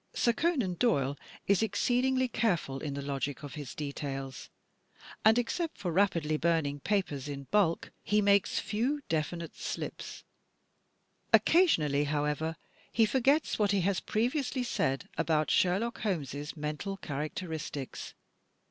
Sir Conan Doyle is exceedingly careful in the logic of his details; and, except for rapidly burning papers in bulk, he makes few definite slips. Occasionally, however, he forgets what he has previously said about Sherlock Holmes' mental characteristics.